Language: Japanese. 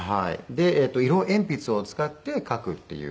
で色鉛筆を使って描くっていう事が。